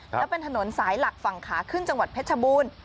และเป็นถนนสายหลักฝั่งขาขึ้นจังหวัดเพชรบูรณ์